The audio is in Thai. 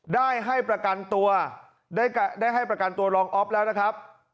ได้ให้ประกันตัวได้ให้ประกันตัวรองอ๊อฟแล้วนะครับ